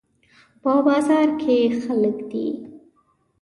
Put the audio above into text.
په بازار کې خلک دي